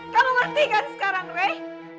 kamu ngerti kan sekarang rey